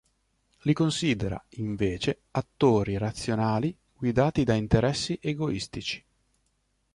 Li considera, invece, attori razionali guidati da interessi egoistici.